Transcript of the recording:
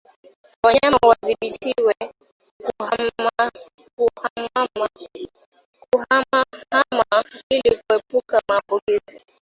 Wanyama wadhibitiwe kuhamahama ili kuepuka maambukizi